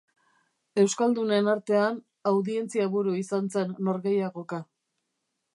Euskaldunen artean audientzia-buru izan zen norgehiagoka.